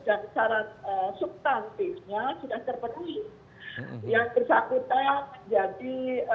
dan syarat subtantifnya sudah terpenuhi yang tersebut menjadi